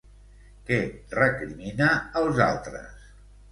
Què recrimina als altres?